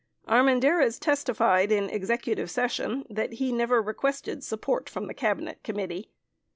27 Armendariz testified in executive session that he never requested "support" from the Cabinet Committee.